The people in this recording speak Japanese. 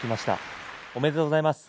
おめでとうございます。